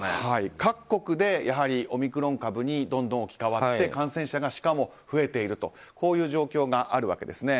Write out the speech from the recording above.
各国でオミクロン株にどんどん置き換わって感染者がしかも増えているこういう状況があるんですね。